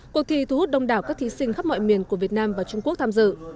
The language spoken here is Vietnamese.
cuộc thi thu hút đông đảo các thí sinh khắp mọi miền của việt nam và trung quốc tham dự